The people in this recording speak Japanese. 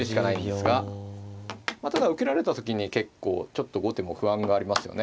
まあただ受けられた時に結構ちょっと後手も不安がありますよね。